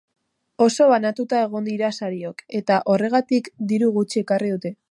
Oso banatuta egon dira sariok eta, horregatik, diru gutxi ekarri dute.